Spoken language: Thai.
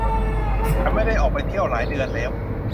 ฉันไม่ได้ออกไปเที่ยวหลายเดือนแล้ว